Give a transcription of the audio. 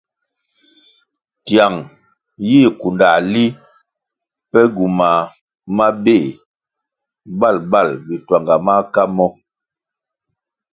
Tiang yih kundãh li pe gywumah mabéh babal bituanga maka mo.